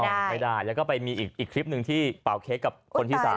ไม่ได้แล้วก็ไปมีอีกคลิปหนึ่งที่เป่าเค้กกับคนที่๓